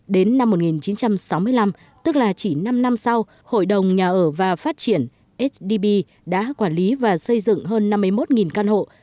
đến năm một nghìn chín trăm sáu mươi năm tức là chỉ năm năm sau hội đồng nhà ở và phát triển sdb đã quản lý và xây dựng hơn năm mươi một căn hộ